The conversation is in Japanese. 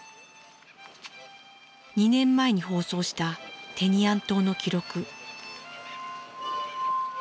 ２年前に放送したテニアン島の記録。